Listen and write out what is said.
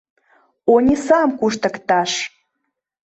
Онисам куштыкташ!